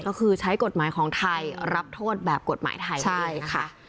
ก็คือใช้กฎหมายของไทยรับโทษแบบกฎหมายไทยด้วยนะคะ